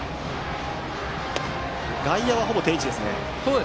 外野は、ほぼ定位置ですね。